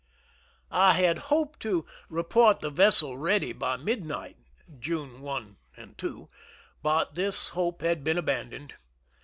I had hoped to report the vessel ready by mid night (June 1 2), but this hope had been abandoned.